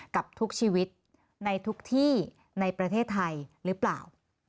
กับทุกชีวิตในทุกที่ในประเทศไทยหรือเปล่า